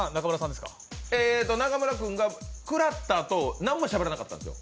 中村君が食らったあと、何もしゃべらなかったんですよ。